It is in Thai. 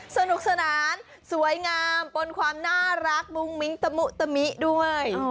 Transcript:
สนุกสนานสวยงามปนความน่ารักมุ้งมิ้งตะมุตะมิด้วย